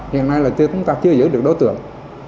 hiện nay là chúng ta chưa giữ được đối tượng